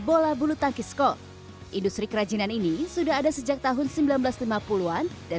bola bulu tangkis kok industri kerajinan ini sudah ada sejak tahun seribu sembilan ratus lima puluh an dan